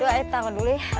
dua hari tanggal dulu ya